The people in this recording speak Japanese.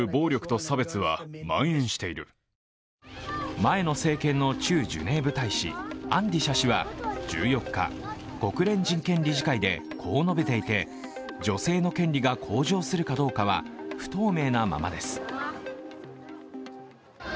前の政権の駐ジュネーブ大使、アンディシャ氏は１４日、国連人権理事会でこう述べていて女性の権利が向上するかどうかは不透明なままです。